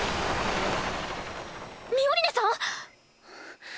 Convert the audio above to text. ミオリネさん？あっ。